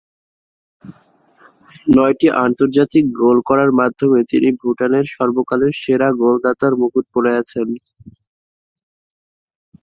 নয়টি আন্তর্জাতিক গোল করার মাধ্যমে তিনি ভুটানের সর্বকালের সেরা গোলদাতার মুকুট পরে আছেন।